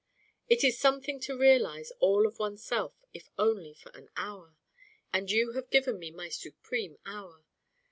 "It is something to realise all of oneself if only for an hour. And you have given me my supreme hour.